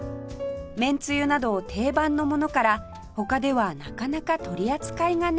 麺つゆなど定番のものから他ではなかなか取り扱いがない商品